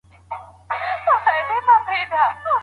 په مخصوصو الفاظو سره د نکاح قيد پورته کېدل طلاق بلل کيږي.